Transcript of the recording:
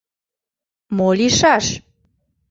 Мо лийшаш?